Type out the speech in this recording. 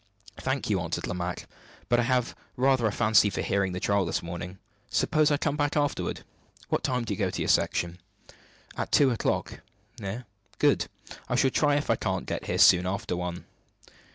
"Thank you," answered Lomaque; "but I have rather a fancy for hearing the trial this morning. Suppose I come back afterward? What time do you go to your Section? At two o'clock, eh? Good! I shall try if I can't get here soon after one."